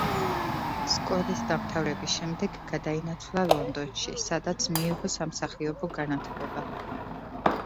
სკოლის დამთავრების შემდეგ გადაინაცვლა ლონდონში, სადაც მიიღო სამსახიობო განათლება.